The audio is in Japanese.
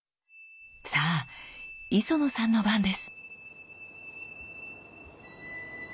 さあ磯野さんの番です！